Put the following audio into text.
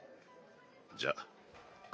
じゃあ。